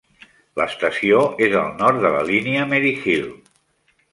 L'estació és al nord de la línia Maryhill.